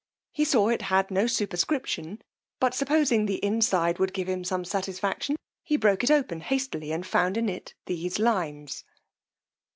He saw it had no superscription; but supposing the inside would give him some satisfaction, he broke it open hastily and found in it these lines.